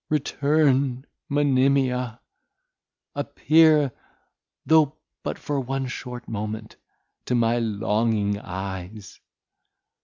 Return, Monimia, appear, though but for one short moment, to my longing eyes!